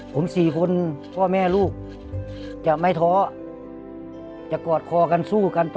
ผม๔คนพ่อแม่ลูกจะไม่ท้อจะกอดคอกันสู้กันต่อ